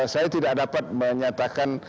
saya tidak dapat menyatakan